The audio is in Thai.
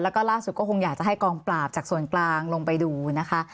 แล้วก็ล่าสุดก็คงอยากจะให้กองปราบจากส่วนกลางลงไปดูนะคะ